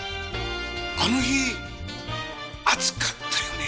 あの日暑かったよね？